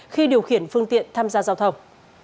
khi điều khiển phương tiện tham gia giao thông